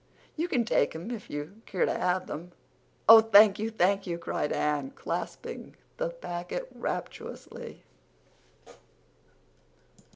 You can take 'em if you'd keer to have 'em." "Oh, thank you—thank you," cried Anne, clasping the packet rapturously.